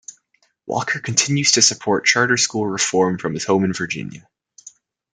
Walker continues to support charter school reform from his home in Virginia.